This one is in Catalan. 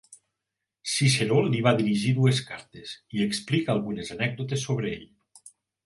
Ciceró li va dirigir dues cartes, i explica algunes anècdotes sobre ell.